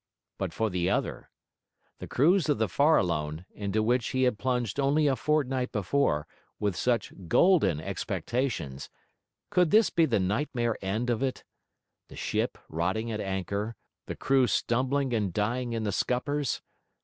But for the other? The cruise of the Farallone, into which he had plunged only a fortnight before, with such golden expectations, could this be the nightmare end of it? The ship rotting at anchor, the crew stumbling and dying in the scuppers?